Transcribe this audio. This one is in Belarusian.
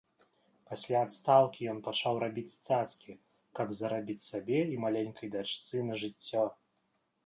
Пасля адстаўкі ён пачаў рабіць цацкі, каб зарабіць сабе і маленькай дачцы на жыццё.